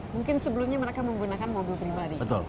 mungkin sebelumnya mereka menggunakan mobil pribadi